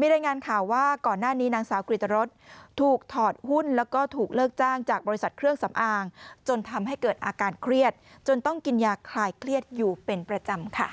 มีรายงานข่าวว่าก่อนหน้านี้นางสาวกริตรสถูกถอดหุ้นแล้วก็ถูกเลิกจ้างจากบริษัทเครื่องสำอางจนทำให้เกิดอาการเครียดจนต้องกินยาคลายเครียดอยู่เป็นประจำค่ะ